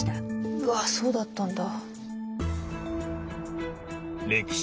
うわそうだったんだ。